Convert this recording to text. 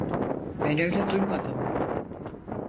Ben öyle duymadım.